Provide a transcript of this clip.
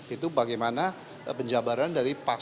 itu bagaimana penjabaran dari pak